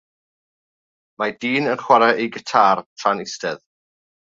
Mae dyn yn chwarae ei gitâr tra'n eistedd.